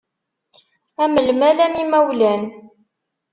Am lmal, am imawlan.